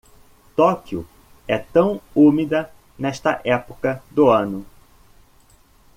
Tóquio é tão úmida nesta época do ano.